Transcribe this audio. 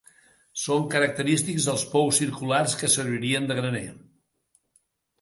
Són característics els pous circulars que servirien de graner.